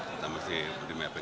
kita masih di maping